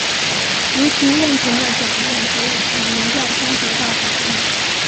族群认同的转变可以从民调中得到反映。